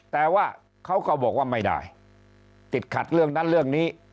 แต่ว่าเขาก็บอกว่าไม่ได้ติดขัดเรื่องนั้นเรื่องนี้